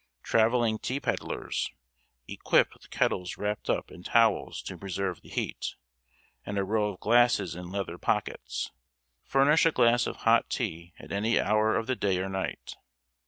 Travelling tea peddlers, equipped with kettles wrapped up in towels to preserve the heat, and a row of glasses in leather pockets, furnish a glass of hot tea at any hour of the day or night.